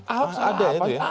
ahok ada ya itu ya